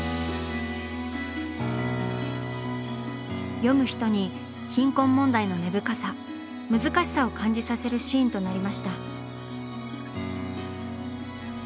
読む人に貧困問題の根深さ難しさを感じさせるシーンとなりました。